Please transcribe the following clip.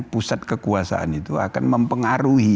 pusat kekuasaan itu akan mempengaruhi